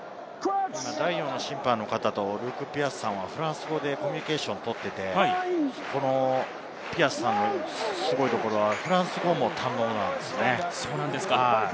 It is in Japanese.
第４の審判の方とルーク・ピアースさんはフランス語でコミュニケーションをとっていて、ピアースさんのすごいところはフランス語も堪能なんですね。